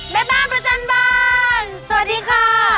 แม่บ้านประจำบานสวัสดีค่ะ